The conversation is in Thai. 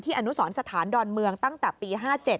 อนุสรสถานดอนเมืองตั้งแต่ปี๕๗